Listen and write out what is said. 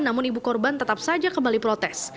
namun ibu korban tetap saja kembali protes